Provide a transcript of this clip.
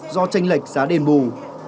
do tranh lệch giá đền bù